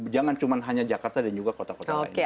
jangan cuma hanya jakarta dan juga kota kota lain